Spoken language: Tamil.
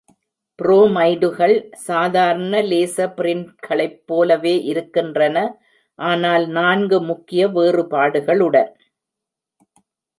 புரோமைடுகள் சாதாரண லேசர் பிரின்ட்களைப் போலவே இருக்கின்றன, ஆனால் நான்கு முக்கிய வேறுபாடுகளுடன்.